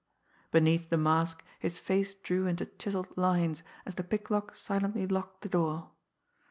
Beneath the mask his face drew into chiselled lines, as the picklock silently locked the door.